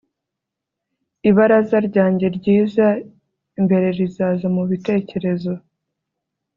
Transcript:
ibaraza ryanjye ryiza imbere rizaza mubitekerezo